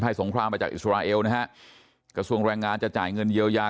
สงครามมาจากอิสราเอลนะฮะกระทรวงแรงงานจะจ่ายเงินเยียวยา